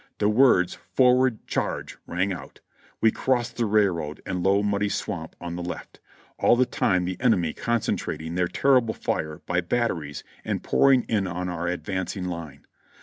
The words 'Forward ! charge !' rang out, we crossed the railroad and low muddy swamp on the left, all the time the enemy concentrating their terrible fire by batteries and pouring it in on our advancing line.